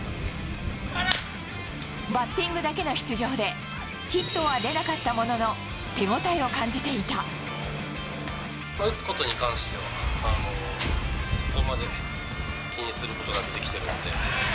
バッティングだけの出場で、ヒットは出なかったものの、打つことに関しては、そこまで気にすることなくできてるので。